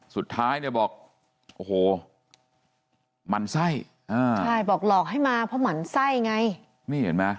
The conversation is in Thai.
สุดท้ายเนี่ยบอกอ่อโหมันไส้บอกหลอกให้มาเพราะมันไส้ไง